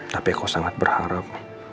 tapi aku sangat berharap